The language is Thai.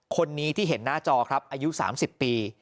คนนี้ที่เห็นหน้าจอครับอายุ๓๐ปี